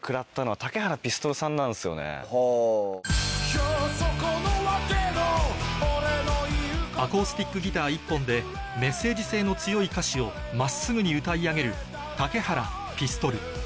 よー、そこの若いのアコースティックギター１本でメッセージ性の強い歌詞を真っすぐに歌い上げる